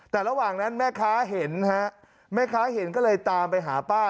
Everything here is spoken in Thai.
แต่ระหว่างนั้นแม่ค้าเห็นฮะแม่ค้าเห็นก็เลยตามไปหาป้า